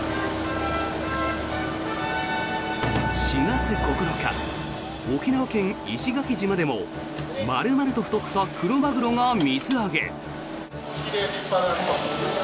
４月９日、沖縄県・石垣島でも丸々と太ったクロマグロが水揚げ。